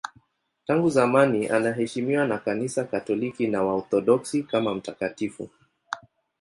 Tangu zamani anaheshimiwa na Kanisa Katoliki na Waorthodoksi kama mtakatifu.